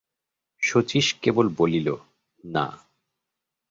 শচীশ কেবল বলিল, না।